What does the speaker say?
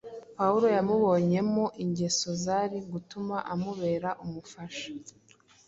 Pawulo yamubonyemo ingeso zari gutuma amubera umufasha